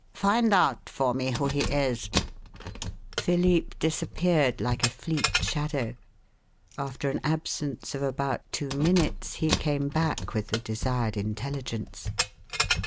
Find out for me who he is." Philippe disappeared like a fleet shadow. After an absence of about two minutes, he came back with the desired intelligence.